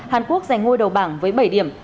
hàn quốc giành ngôi đầu bảng với bảy điểm